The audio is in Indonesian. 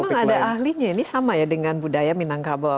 dan memang ada ahlinya ini sama ya dengan budaya minangkabau